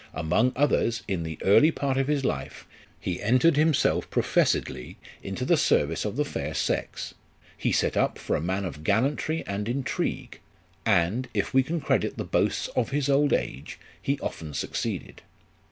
Among others, in the early part of his life, he entered himself professedly into the service of the fair sex ; he set up for a man of gallantry and intrigue ; and, if we can credit the hoasts of his old age, he often succeeded.